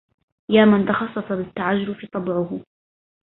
يا من تخصص بالتعجرف طبعه